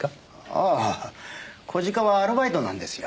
ああ小鹿はアルバイトなんですよ。